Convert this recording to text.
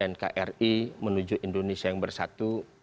nkri menuju indonesia yang bersatu